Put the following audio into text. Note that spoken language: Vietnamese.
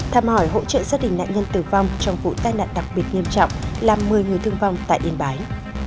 tham hỏi hỗ trợ gia đình nạn nhân tử vong trong vụ tai nạn đặc biệt nghiêm trọng làm một mươi người thương vong tại yên bái